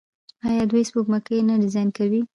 آیا دوی سپوږمکۍ نه ډیزاین کوي؟